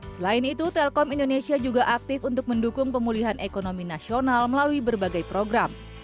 selain itu telkom indonesia juga aktif untuk mendukung pemulihan ekonomi nasional melalui berbagai program